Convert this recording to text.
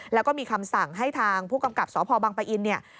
แล้วก็มีคำสั่งให้ทางผู้กำกับสพบังปะอินเนี่ย